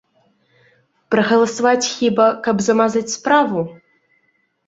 Прагаласаваць хіба, каб замазаць справу?